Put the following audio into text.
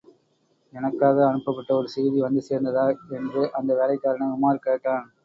எனக்காக அனுப்பப்பட்ட ஒருசெய்தி வந்து சேர்ந்ததா? என்று அந்த வேலைக்காரனை உமார் கேட்டான்.